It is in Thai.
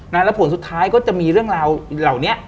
แล้วผลสุดท้ายก็จะมีเรื่องราวเหล่านี้